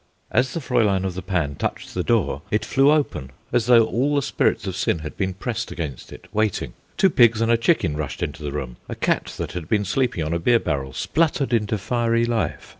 As the Fraulein of the pan touched the door it flew open, as though all the spirits of sin had been pressed against it, waiting. Two pigs and a chicken rushed into the room; a cat that had been sleeping on a beer barrel spluttered into fiery life.